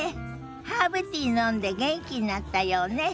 ハーブティー飲んで元気になったようね。